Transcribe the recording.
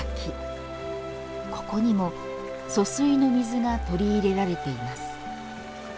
ここにも疏水の水が取り入れられています。